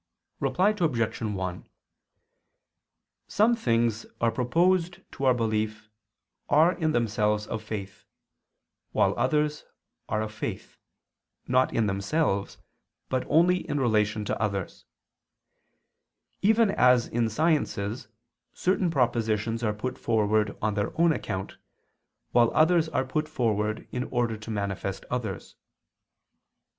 Reply Obj. 1: Some things are proposed to our belief are in themselves of faith, while others are of faith, not in themselves but only in relation to others: even as in sciences certain propositions are put forward on their own account, while others are put forward in order to manifest others.